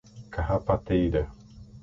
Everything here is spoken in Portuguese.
Carrapateira